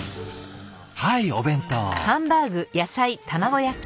はいお弁当。